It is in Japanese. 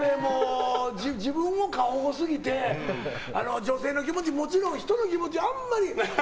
自分も過保護すぎて女性の気持ち、もちろん人の気持ちもあんまり。